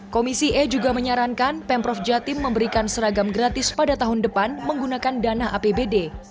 komisi e juga menyarankan pemprov jatim memberikan seragam gratis pada tahun depan menggunakan dana apbd